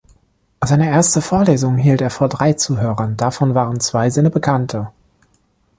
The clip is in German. Seine erste Vorlesung hielt er vor drei Zuhörern, davon waren zwei seine Bekannte.